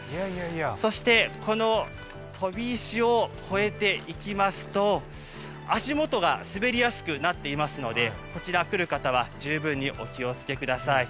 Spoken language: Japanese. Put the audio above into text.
そしてこの飛び石を越えていきますと、足元が滑りやすくなっていますので、こちら来る方は十分にお気をつけください。